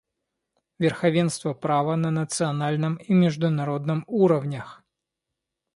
Верховенство права на национальном и международном уровнях.